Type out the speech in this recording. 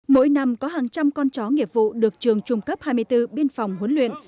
mỗi năm có hàng trăm con chó nghiệp vụ được trường trung cấp hai mươi bốn biên phòng huấn luyện